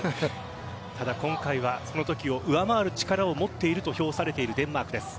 ただ、今回はそのときを上回る力を持っていると評されているデンマークです。